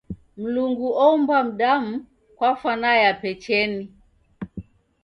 Mlungu oumba mdamu kwa fwana yape cheni.